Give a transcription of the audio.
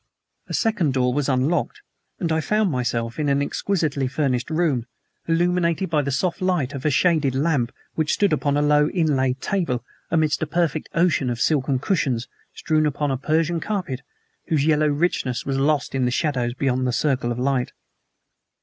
A second door was unlocked, and I found myself in an exquisitely furnished room, illuminated by the soft light of a shaded lamp which stood upon a low, inlaid table amidst a perfect ocean of silken cushions, strewn upon a Persian carpet, whose yellow richness was lost in the shadows beyond the circle of light.